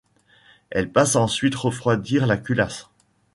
Elle passe ensuite refroidir la culasse.